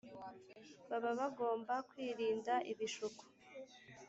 baba bagomba kwirinda ibishuko